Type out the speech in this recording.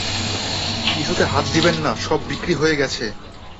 কিছুতে হাত দিবেন না, সব বিক্রি হয়ে গেছে।